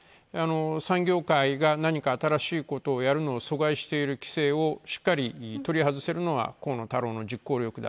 産業界が何か新しいことをやるのを阻害している規制をしっかり取り外せるのは河野太郎の実行力だ。